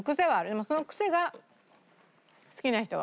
でもそのクセが好きな人は。